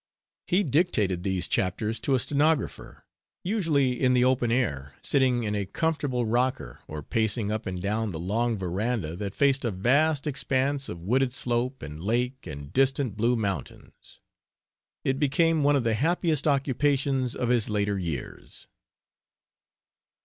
He dictated these chapters to a stenographer, usually in the open air, sitting in a comfortable rocker or pacing up and down the long veranda that faced a vast expanse of wooded slope and lake and distant blue mountains. It became one of the happiest occupations of his later years.